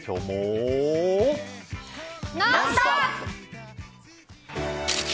「ノンストップ！」。